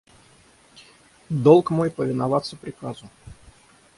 – Долг мой повиноваться приказу.